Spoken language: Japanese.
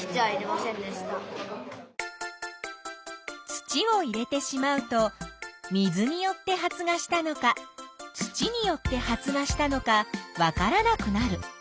土を入れてしまうと水によって発芽したのか土によって発芽したのかわからなくなる。